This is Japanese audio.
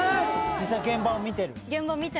実際現場を見てる？